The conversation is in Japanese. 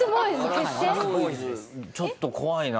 ちょっと怖いな。